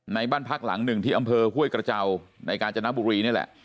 บ้านพักหลังหนึ่งที่อำเภอห้วยกระเจ้าในการจนบุรีนี่แหละ